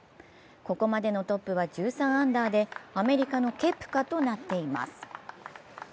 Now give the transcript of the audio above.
ここまでのトップは１３アンダーでアメリカのケプカとなっています。